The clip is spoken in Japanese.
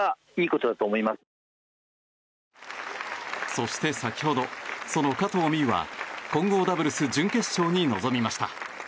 そして先ほど、その加藤未唯は混合ダブルス準決勝に臨みました。